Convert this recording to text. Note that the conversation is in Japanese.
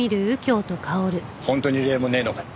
本当に礼もねえのかよ。